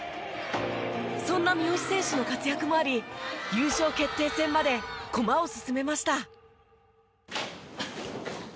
そんな三好選手の活躍もあり優勝決定戦まで駒を進めました。